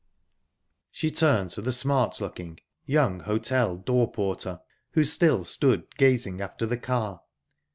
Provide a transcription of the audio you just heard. She turned to the smart looking young hotel door porter, who still stood gazing after the car.